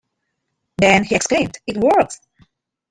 Then, he exclaimed: It works!